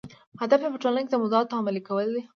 هدف یې په ټولنه کې د موضوعاتو عملي کول دي.